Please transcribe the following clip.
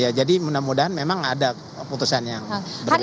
ya jadi mudah mudahan memang ada keputusan yang berbeda